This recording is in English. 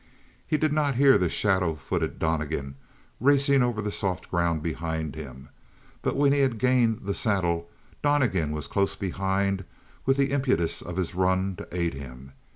He did not hear the shadow footed Donnegan racing over the soft ground behind him; but when he had gained the saddle, Donnegan was close behind with the impetus of his run to aid him.